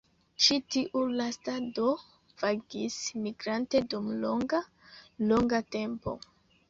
Ĉi tiu lasta do vagis migrante dum longa, longa tempo.